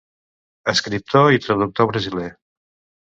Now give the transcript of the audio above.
Escriptor i traductor brasiler.